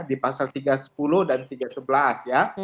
di pasal tiga sepuluh dan tiga sebelas ya